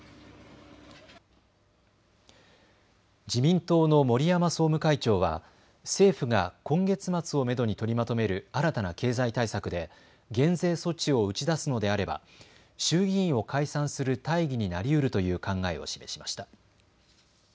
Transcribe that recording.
自民党の森山総務会長は政府が今月末をめどに取りまとめる新たな経済対策で減税措置を打ち出すのであれば衆議院を解散する大義になりうるという考えを示しました。